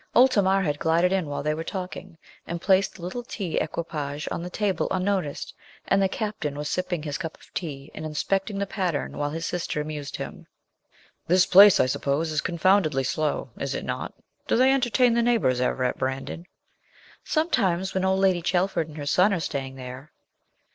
Old Tamar had glided in while they here talking, and placed the little tea equipage on the table unnoticed, and the captain was sipping his cup of tea, and inspecting the pattern, while his sister amused him. 'This place, I suppose, is confoundedly slow, is not it? Do they entertain the neighbours ever at Brandon?' 'Sometimes, when old Lady Chelford and her son are staying there.'